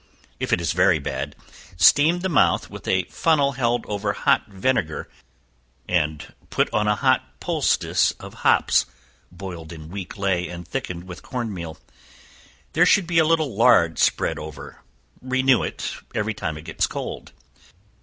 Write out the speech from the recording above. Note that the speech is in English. If it is very bad, steam the mouth with a funnel held over hot vinegar, and put on a hot poultice of hops, boiled in weak ley and thickened with corn meal; there should be a little lard spread over; renew it every time it gets cold.